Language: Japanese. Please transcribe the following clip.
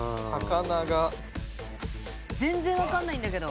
全然分かんないんだけど。